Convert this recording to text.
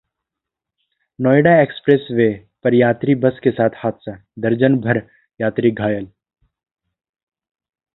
Noida expressway पर यात्री bus के साथ हादसा, दर्जन भर यात्री घायल